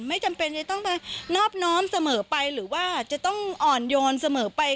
ไม่จำเป็นจะต้องไปนอบน้อมเสมอไปหรือว่าจะต้องอ่อนโยนเสมอไป